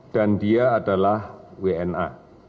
dan dia adalah wna